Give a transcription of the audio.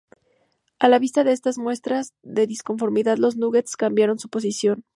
A la vista de estas muestras de disconformidad los Nuggets cambiaron su posición.